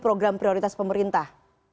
program prioritas pemerintah